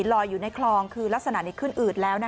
ลอยอยู่ในคลองคือลักษณะนี้ขึ้นอืดแล้ว